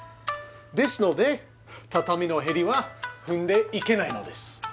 ですので畳のへりは踏んでいけないのです。